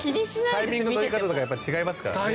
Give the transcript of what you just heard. タイミングの取り方とかやっぱり違いますからね。